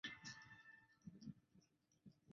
莫内斯捷旁圣保罗人口变化图示